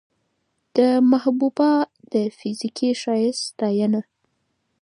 د محبوبا د فزيکي ښايست ستاينه